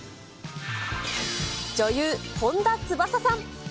女優、本田翼さん。